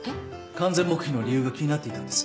完全黙秘の理由が気になっていたんです。